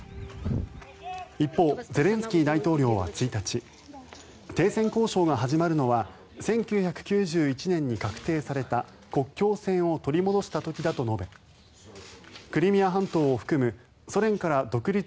一方、ゼレンスキー大統領は１日停戦交渉が始まるのは１９９１年に画定された国境線を取り戻した時だと述べじゃあ行くね！